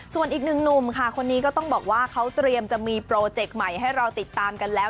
ส่วนอีกหนึ่งหนุ่มค่ะคนนี้ก็ต้องบอกว่าเขาเตรียมจะมีโปรเจกต์ใหม่ให้เราติดตามกันแล้ว